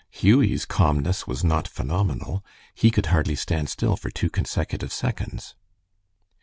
Hughie's calmness was not phenomenal. He could hardly stand still for two consecutive seconds.